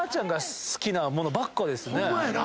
ホンマやな。